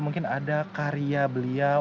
mungkin ada karya beliau